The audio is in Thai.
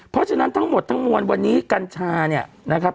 เพราะฉะนั้นทั้งหมดทั้งมวลวันนี้กัญชาเนี่ยนะครับ